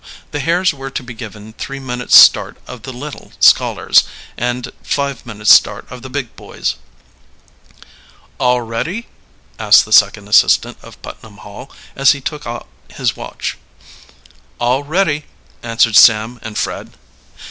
The hares were to be given three minutes start of the little scholars and five minutes start of the big boys. "All ready?" asked the second assistant of Putnam Hall, as he took out his watch. "All ready," answered Sam and Fred.